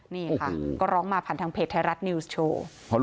นี่ค่ะก็ร้องมาผ่านทางเพจไทยรัฐนิวส์โชว์